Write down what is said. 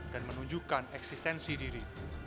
dan menunjukkan eksistensi diri